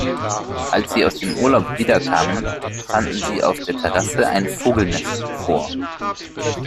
Als sie aus dem Urlaub wiederkamen, fanden sie auf der Terrasse ein Vogelnest vor.